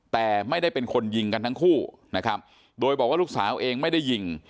แต่ไม่ได้เป็นคนยิงกันทั้งคู่นะครับโดยบอกว่าลูกสาวเองไม่ได้ยิง